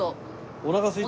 おなかすいた？